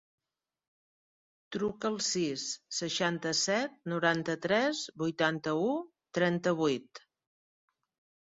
Truca al sis, seixanta-set, noranta-tres, vuitanta-u, trenta-vuit.